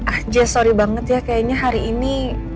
ah dia sorry banget ya kayaknya hari ini